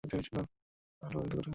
তারা ভাল বন্ধুত্ব করে ফেলে।